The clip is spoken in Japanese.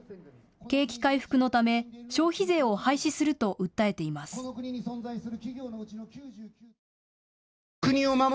景気回復のため、消費税を廃止すると訴えています。